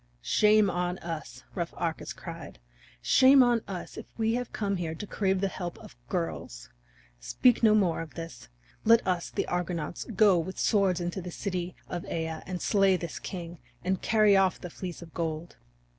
"Shame on us," rough Arcas cried, "shame on us if we have come here to crave the help of girls! Speak no more of this! Let us, the Argonauts, go with swords into the city of Aea, and slay this king, and carry off the Fleece of Gold."